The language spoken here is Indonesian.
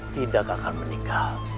tidak akan menikah